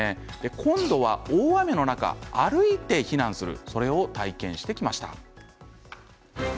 今度は大雨の中、歩いて避難するそれを体験してきました。